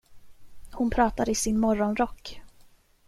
Hon pratar i sin morgonrock.